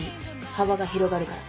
幅が広がるから。